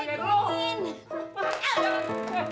jangan pulang sekalian